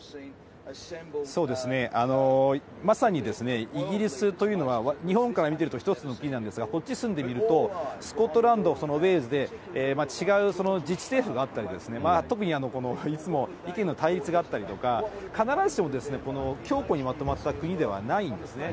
そうですね、まさにイギリスというのは、日本から見ていると一つの国なんですが、こっち住んでみると、スコットランド、ウェールズで、違う自治政府があったりですね、特にいつも意見の対立があったりとか、必ずしも、強固にまとまった国ではないんですね。